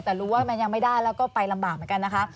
แต่รู้ว่ามันยังไม่ได้แล้วก็ไปลำบากเหมือนกันนะคะ